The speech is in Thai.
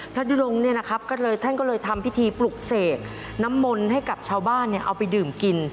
ดุรงค์เนี่ยนะครับก็เลยท่านก็เลยทำพิธีปลุกเสกน้ำมนต์ให้กับชาวบ้านเอาไปดื่มกิน